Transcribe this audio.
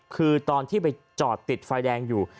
คือตอนที่ไปจอดติดไฟแดงอยู่